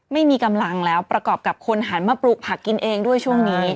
ไม่มีกำลังแล้วประกอบกับคนหันมาปลูกผักกินเองด้วยช่วงนี้